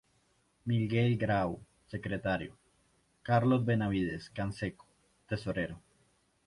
Miguel Grau, Secretario: Carlos Benavides Canseco, tesorero.